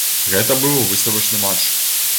Гэта быў выставачны матч.